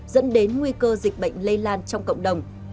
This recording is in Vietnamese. dẫn đến nguy cơ dịch bệnh lây lan trong cộng đồng